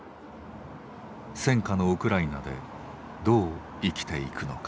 戦禍のウクライナでどう生きていくのか。